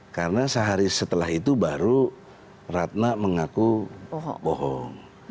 karena sehari setelah itu baru ratna mengaku bohong